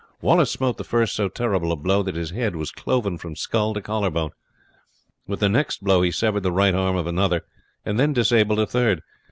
Wallace smote the first so terrible a blow that his head was cloven from skull to collarbone; with the next blow he severed the right arm of another, and then disabled a third.